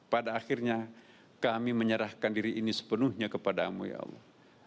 pada akhirnya kami menyerahkan diri ini sepenuhnya kepadamu ya allah